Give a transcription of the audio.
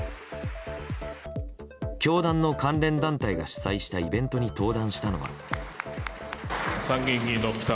教団の関連団体が主催したイベントに登壇したのは。